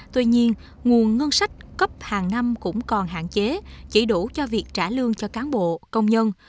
tuy nhiên nguồn ngân sách cấp hàng năm cũng còn hạn chế chỉ đủ cho việc trả lương cho cán bộ công nhân